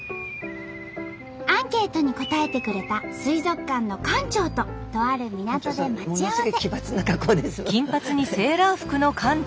アンケートに答えてくれた水族館の館長ととある港で待ち合わせ。